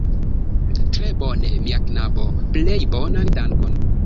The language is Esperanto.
Tre bone, mia knabo, plej bonan dankon!